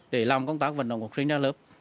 để làm công tác vận động học sinh ra lớp